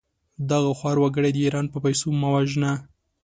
دغه خوار وګړي د ايران په پېسو مه وژنه!